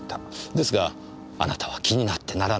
ですがあなたは気になってならなかった。